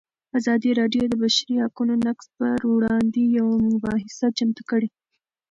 ازادي راډیو د د بشري حقونو نقض پر وړاندې یوه مباحثه چمتو کړې.